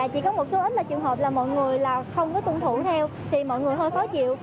chỉ có một số ít là trường hợp là mọi người là không có tuân thủ theo thì mọi người hơi khó chịu